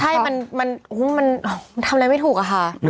ใช่มันมันอุ้มมันทำอะไรไม่ถูกค่ะ